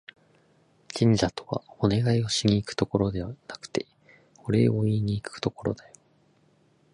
神社とは、お願いをしに行くところではなくて、お礼を言いにいくところだよ